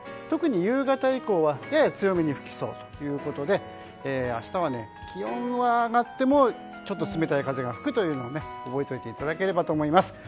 特に夕方以降はやや強めに吹きそうということで明日は、気温は上がってもちょっと冷たい風が吹くのを覚えておいていただければと思います。